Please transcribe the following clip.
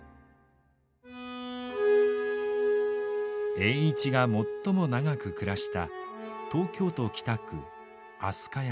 栄一が最も長く暮らした東京都北区飛鳥山。